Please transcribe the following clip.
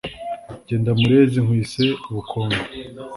Jyenda Murezi nkwise ubukombe!